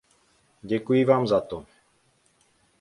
Děkuji vám za to.